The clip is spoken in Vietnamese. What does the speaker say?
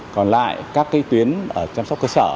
còn lại các tuyến ở chăm sóc cơ sở